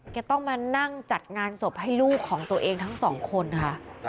ต้องมานั่งจัดงานศพให้ลูกของตัวเองทั้งสองคนค่ะ